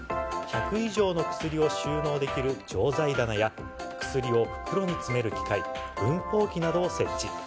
１００以上の薬を収納できる錠剤棚や薬を袋に詰める機械分包機などを設置。